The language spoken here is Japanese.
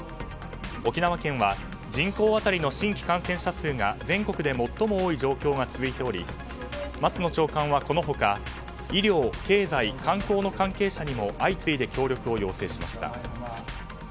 沖縄県は人口当たりの新規感染者数が全国で最も多い状況が続いており松野長官はこのほか医療、経済、観光の関係者にも相次いで協力を要請しました。